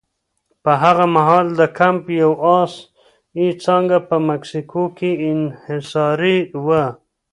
په هغه مهال د کمپ یو اس اې څانګه په مکسیکو کې انحصاري وه.